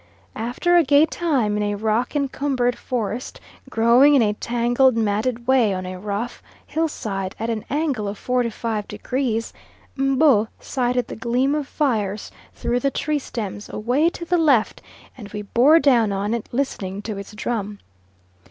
After a gay time in a rock encumbered forest, growing in a tangled, matted way on a rough hillside, at an angle of 45 degrees, M'bo sighted the gleam of fires through the tree stems away to the left, and we bore down on it, listening to its drum.